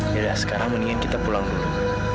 ya sekarang mendingan kita pulang dulu